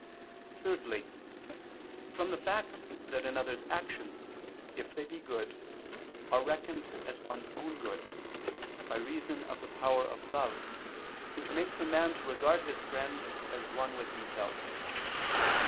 Thirdly, from the fact that another's actions, if they be good, are reckoned as one's own good, by reason of the power of love, which makes a man to regard his friend as one with himself.